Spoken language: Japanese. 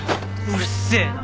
うるせえな！